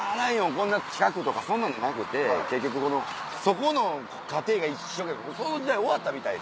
こんな近くとかそんなんじゃなくて結局そこの過程が一生懸命そういう時代終わったみたい。